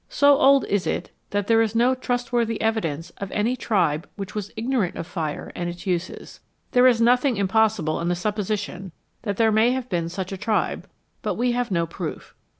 So old is it that there is no trust worthy evidence of any tribe which was ignorant of fire and its uses. There is nothing impossible in the supposition that there may have been such a tribe, but we have no proof.